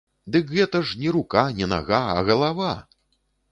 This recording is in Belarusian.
Дык гэта ж не рука, не нага, а галава!